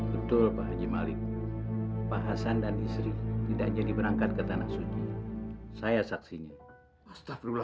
betul pak haji malik pak hasan dan istri tidak jadi berangkat ke tanah suci saya saksinya